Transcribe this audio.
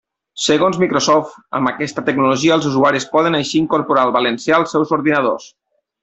Segons Microsoft, amb aquesta tecnologia els usuaris poden així incorporar el valencià als seus ordinadors.